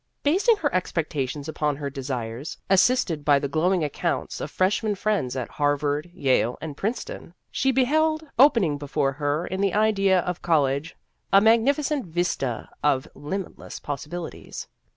Basing her expectations upon her desires, assisted by the glowing accounts of freshmen friends at Harvard, Yale, and Princeton, she beheld opening before her in the idea of college a magnificent vista of limitless possibilities.